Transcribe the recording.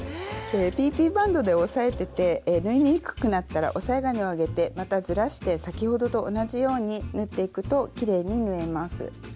ＰＰバンドで押さえてて縫いにくくなったら押さえ金を上げてまたずらして先ほどと同じように縫っていくときれいに縫えます。